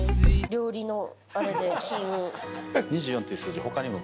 ２４っていう数字他にも。